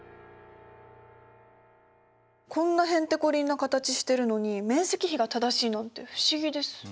こんなへんてこりんな形してるのに面積比が正しいなんて不思議です。